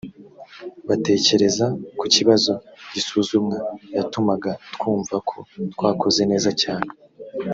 batekereza ku kibazo gisuzumwa yatumaga twumva ko twakoze neza cyane